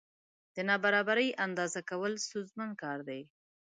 د نابرابرۍ اندازه کول ستونزمن کار دی.